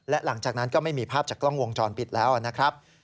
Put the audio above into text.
และหลังจากนั้นก็ไม่มีภาพจากกล้องวงจรปิดแล้วนะครับ